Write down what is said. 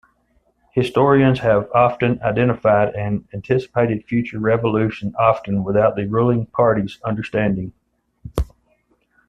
Historians have often identified an anticipated future revolution, often without the ruling party's understanding.